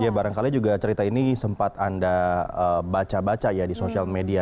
ya barangkali juga cerita ini sempat anda baca baca ya di sosial media